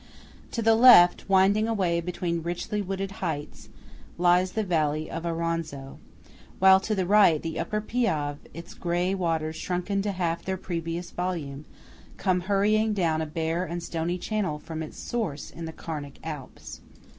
To the left, winding away between richly wooded heights, lies the valley of Auronzo; while to the right the Upper Piave, its grey waters shrunken to half their previous volume, come hurrying down a bare and stony channel from its source in the Carnic Alps.